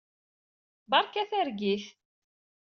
Beṛka targit.